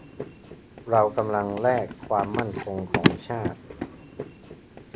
เรากำลังแลกความมั่นคงของชาติ